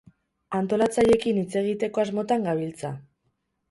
Antolatzaileekin hitz egiteko asmotan gabiltza.